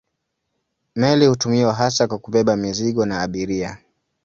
Meli hutumiwa hasa kwa kubeba mizigo na abiria.